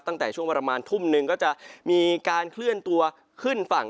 ตั้งแต่ช่วงประมาณทุ่มหนึ่งก็จะมีการเคลื่อนตัวขึ้นฝั่ง